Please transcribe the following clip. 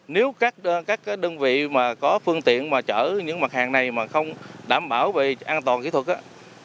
nếu các đơn vị mà có phương tiện mà chở những mặt hàng này mà không đảm bảo về an toàn kỹ thuật